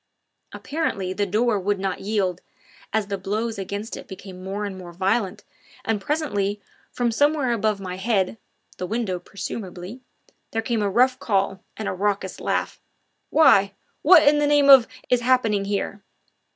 Apparently the door would not yield, as the blows against it became more and more violent, and presently from somewhere above my head the window presumably there came a rough call, and a raucous laugh: "Why? what in the name of is happening here?"